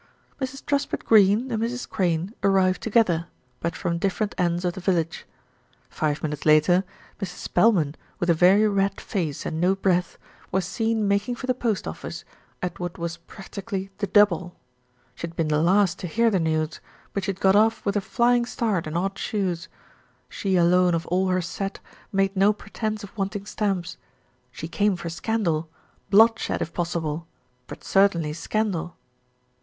Mrs. Truspitt Greene and Mrs. Crane arrived to gether; but from different ends of the village. Five minutes later, Mrs. Spelman, with a very red face and no breath, was seen making for the post office at what was practically the double. She had been the last to hear the news; but she had got off with a flying start and odd shoes. She alone of all her set made no pretence of wanting stamps. She came for scandal; bloodshed if possible, but certainly scandal.